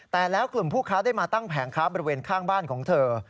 แต่แล้วกลุ่มผู้ค้าได้มาตั้งแผงค้าบริเวณข้างบ้านของเธอ